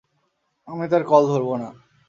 আমি তার কল ধরবো না।